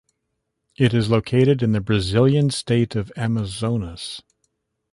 It is located in the Brazilian state of Amazonas.